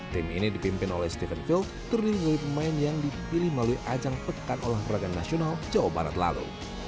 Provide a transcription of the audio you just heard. tim ini dipimpin oleh stephen field terdiri dari pemain yang dipilih melalui ajang pekan olahraga nasional jawa barat lalu